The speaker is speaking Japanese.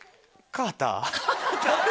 カーター？